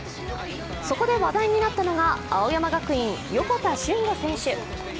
そこで話題になったのが青山学院、横田俊吾選手。